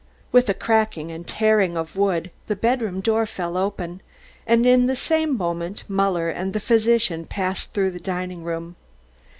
With a cracking and tearing of wood the bedroom door fell open, and in the same moment Muller and the physician passed through the dining room.